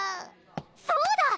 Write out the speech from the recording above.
そうだ！